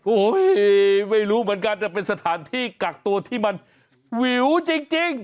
โอ้โหไม่รู้เหมือนกันแต่เป็นสถานที่กักตัวที่มันวิวจริง